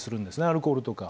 アルコールとか。